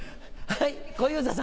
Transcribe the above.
はい。